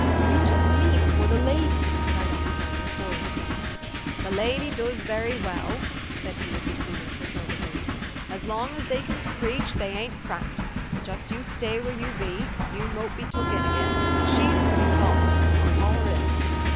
'' You took me before the lady !'' cried Ostran der, horror struck. " The lady doos very well !" said he of the sea imperturbably. "As long as they can screech, they ain't cramped. Just you stay where you be. You mought be took agin and she's pretty solid. I'll haul her in."